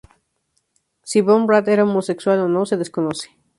Si vom Rath era homosexual o no, se desconoce.